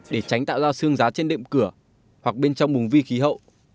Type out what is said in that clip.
để tránh tạo ra sương giá trên đệm cửa hoặc bên trong bùng vi khí hậu